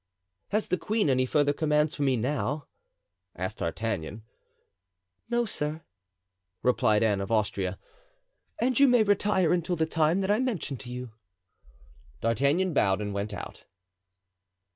"Has the queen any further commands for me now?" asked D'Artagnan. "No, sir," replied Anne of Austria, "and you may retire until the time that I mentioned to you." D'Artagnan bowed and went out.